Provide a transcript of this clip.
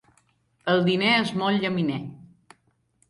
El diner és molt llaminer.